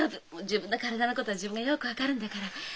自分の体のことは自分がよく分かるんだから。